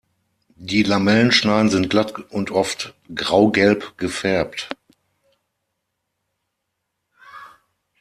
Die Lamellenschneiden sind glatt und oft graugelb gefärbt.